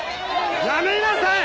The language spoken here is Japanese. やめなさい！